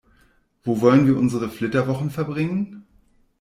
Wo wollen wir unsere Flitterwochen verbringen?